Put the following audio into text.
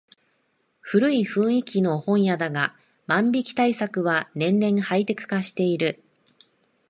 古い雰囲気の本屋だが万引き対策は年々ハイテク化している